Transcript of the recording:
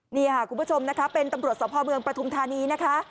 นี่ค่ะคุณผู้ชมนะคะเป็นตำรวจสภเมืองปฐุมธานีนะคะ